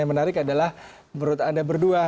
yang menarik adalah menurut anda berdua